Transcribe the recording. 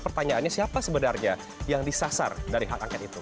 pertanyaannya siapa sebenarnya yang disasar dari hak angket itu